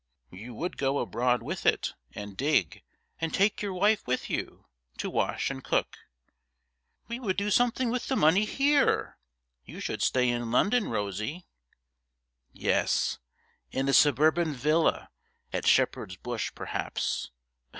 'You would go abroad with it and dig, and take your wife with you to wash and cook.' 'We would do something with the money here. You should stay in London, Rosie.' 'Yes. In a suburban villa, at Shepherd's Bush, perhaps.